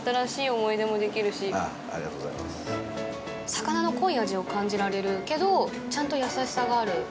魚の濃い味を感じられるけど、ちゃんと優しさがある。